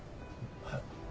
はい？